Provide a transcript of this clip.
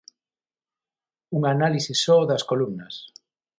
Unha análise só das columnas.